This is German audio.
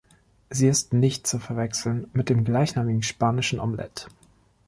Sie ist nicht zu verwechseln mit dem gleichnamigen spanischen Omelett.